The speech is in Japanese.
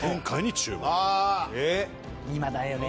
今だよね。